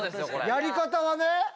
やり方はね。